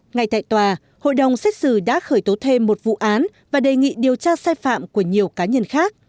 ngay tại tòa hội đồng xét xử đã khởi tố thêm một vụ án và đề nghị điều tra sai phạm của nhiều cá nhân khác